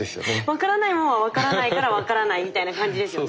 分からないもんは分からないから分からないみたいな感じですよね。